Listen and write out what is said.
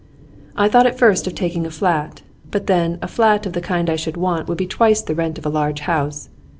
'I thought at first of taking a flat; but then a flat of the kind I should want would be twice the rent of a large house.